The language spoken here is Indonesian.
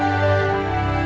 dia berusia lima belas tahun